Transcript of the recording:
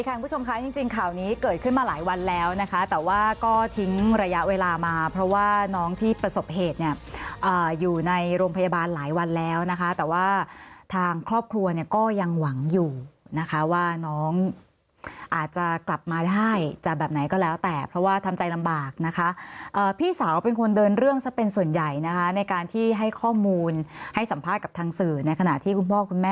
คุณผู้ชมคะจริงข่าวนี้เกิดขึ้นมาหลายวันแล้วนะคะแต่ว่าก็ทิ้งระยะเวลามาเพราะว่าน้องที่ประสบเหตุเนี่ยอยู่ในโรงพยาบาลหลายวันแล้วนะคะแต่ว่าทางครอบครัวเนี่ยก็ยังหวังอยู่นะคะว่าน้องอาจจะกลับมาได้จะแบบไหนก็แล้วแต่เพราะว่าทำใจลำบากนะคะพี่สาวเป็นคนเดินเรื่องซะเป็นส่วนใหญ่นะคะในการที่ให้ข้อมูลให้สัมภาษณ์กับทางสื่อในขณะที่คุณพ่อคุณแม่